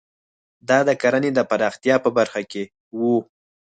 دا د کرنې د پراختیا په برخه کې وو.